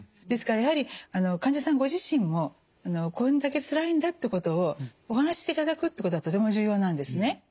ですからやはり患者さんご自身もこれだけつらいんだってことをお話ししていただくということがとても重要なんですね。